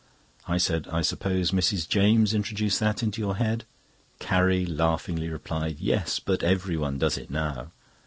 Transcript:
I said: "I suppose Mrs. James introduced that into your head." Carrie laughingly replied: "Yes; but everyone does it now."